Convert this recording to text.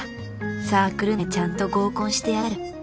サークル内でちゃんと合コンしてやがる